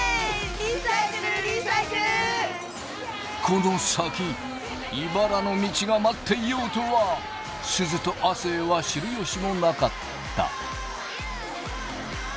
この先いばらの道が待っていようとはすずと亜生は知る由もなかった。